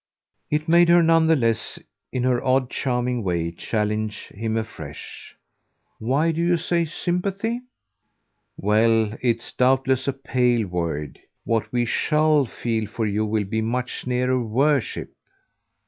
It made her, none the less, in her odd charming way, challenge him afresh. "Why do you say sympathy?" "Well, it's doubtless a pale word. What we SHALL feel for you will be much nearer worship."